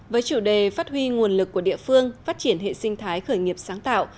với chủ đề phát huy nguồn lực của địa phương phát triển hệ sinh thái khởi nghiệp sáng tạo